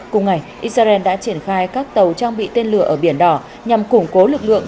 cùng ngày israel đã triển khai các tàu trang bị tên lửa ở biển đỏ nhằm củng cố lực lượng